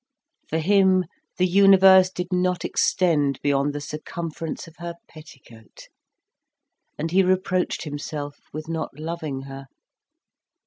For him the universe did not extend beyond the circumference of her petticoat, and he reproached himself with not loving her.